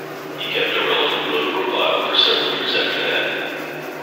He kept a relatively low profile for several years after that.